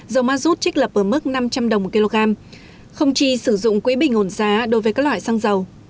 dầu mazut trích lập ở mức năm trăm linh đồng một kg không chỉ sử dụng quỹ bình ổn giá đối với các loại xăng dầu